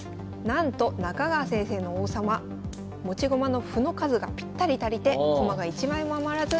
なんと中川先生の王様持ち駒の歩の数がぴったり足りて駒が一枚も余らず詰んでしまいました。